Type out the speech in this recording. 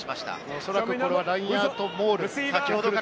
おそらくこれはラインアウトモール。